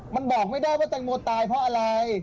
มันบอกไม่ได้ว่าแตงโมตายเพราะอะไร